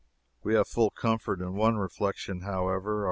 We have full comfort in one reflection, however.